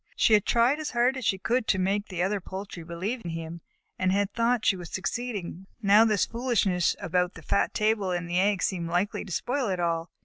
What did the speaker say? She had tried as hard as she could to make the other poultry believe in him, and had thought she was succeeding, but now this foolishness about the fat table and the eggs seemed likely to spoil it all.